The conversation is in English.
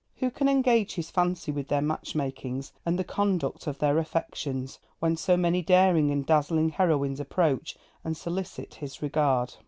Who can engage his fancy with their match makings and the conduct of their affections, when so many daring and dazzling heroines approach and solicit his regard?